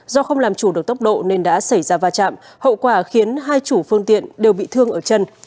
do không làm chủ được tốc độ nên đã xảy ra va chạm hậu quả khiến hai chủ phương tiện đều bị thương ở chân